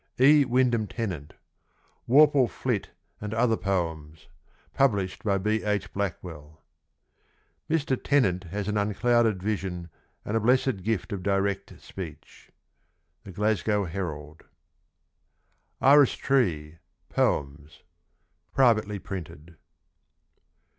E. Wyndham Tennant. WORPLE FLIT AND OTHER POEMS. Published by B. H. Blackwell. Mr. Tennant has an unclouded vision and a blessed gift of direct speech. — TJie Glasgozo Herald. Iris Tree. POEMS. Privately printed.